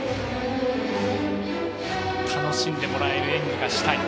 「楽しんでもらえる演技がしたい」。